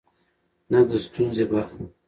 نه د ستونزې برخه.